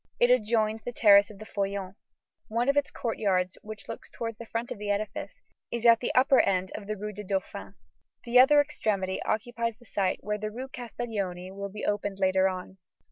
It adjoins the terrace of the Feuillants. One of its courtyards which looks towards the front of the edifice, is at the upper end of the rue de Dauphin. The other extremity occupies the site where the rue Castiglione will be opened later on.